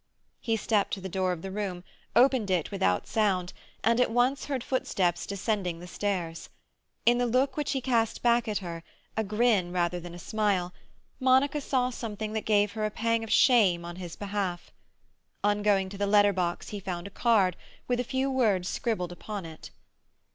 He stepped to the door of the room, opened it without sound, and at once heard footsteps descending the stairs. In the look which he cast back at her, a grin rather than a smile, Monica saw something that gave her a pang of shame on his behalf. On going to the letter box he found a card, with a few words scribbled upon it.